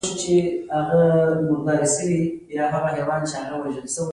هغه پلان چې عملي کوئ يې په روښانه ټکو وليکئ.